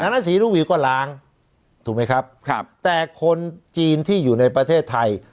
ดังนั้นสีลูกวิวก็ล้างถูกไหมครับแต่คนจีนที่อยู่ในประเทศไทย